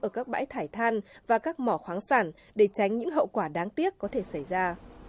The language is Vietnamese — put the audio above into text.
ở các bãi thải than và các mỏ khoáng sản để tránh những hậu quả đáng tiếc có thể xảy ra